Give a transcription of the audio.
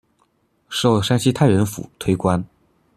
授山西太原府推官。